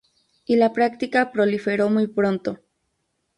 Y la práctica proliferó muy pronto.